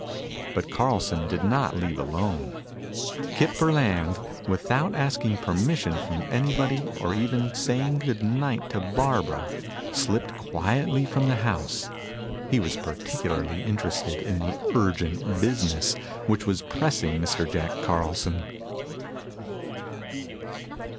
But Carlson did not leave alone. Kip Burland, without asking permission from anybody or even saying good night to Barbara, slipped quietly from the house. He was particularly interested in the urgent business which was pressing Mr. Jack Carlson.